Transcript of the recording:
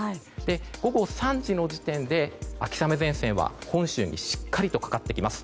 午後３時の時点で秋雨前線は本州にしっかりとかかってきます。